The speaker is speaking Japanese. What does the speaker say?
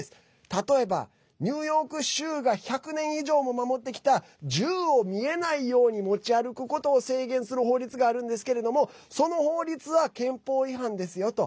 例えば、ニューヨーク州が１００年以上も守ってきた銃を見えないように持ち歩くことを制限する法律があるんですけれどもその法律は憲法違反ですよと。